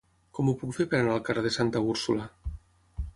Com ho puc fer per anar al carrer de Santa Úrsula?